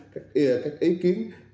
các ý kiến